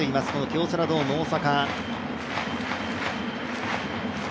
京セラドーム大阪。